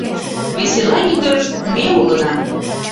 Весела ӱдырышт ме улына.